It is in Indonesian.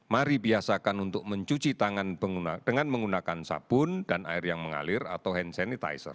mari biasakan untuk mencuci tangan dengan menggunakan sabun dan air yang mengalir atau hand sanitizer